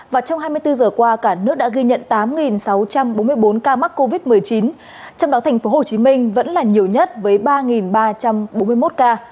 và trong hai mươi bốn giờ qua cả nước đã ghi nhận tám sáu trăm bốn mươi bốn ca mắc covid một mươi chín trong đó thành phố hồ chí minh vẫn là nhiều nhất với ba ba trăm bốn mươi một ca